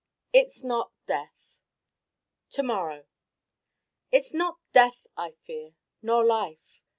It's not death To morrow It's not Death I fear, nor Life.